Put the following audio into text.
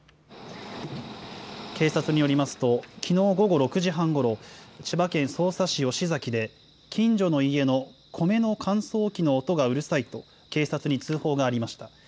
警察によりますと、きのう午後６時半ごろ、千葉県匝瑳市吉崎で、近所の家の米の乾燥機の音がうるさいと、警察に通報がありました。